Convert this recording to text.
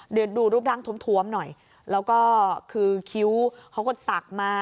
ดูรูปนั่งท้มหน่อยแล้วก็คือคิ้วเขากดสักมา